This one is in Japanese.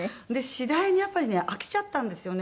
次第にやっぱりね飽きちゃったんですよね。